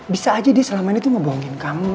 bisa aja dia selama ini tuh ngebohongin kamu